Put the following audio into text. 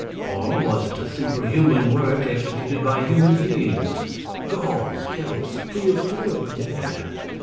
Or was it a superhuman work executed by human beings, Gauls, Celts, prehistoric men?